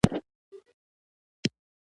د غبار له تاریخ سره سر نه خوري.